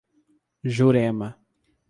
Jurema